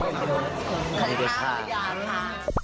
ขายข้าวอารยาค่ะ